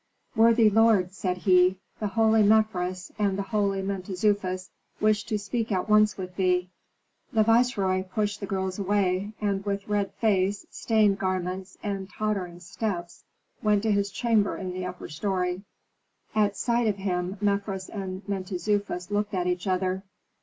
"Worthy lord," said he, "the holy Mefres and the holy Mentezufis wish to speak at once with thee." The viceroy pushed the girls away, and with red face, stained garments, and tottering steps went to his chamber in the upper story. At sight of him Mefres and Mentezufis looked at each other.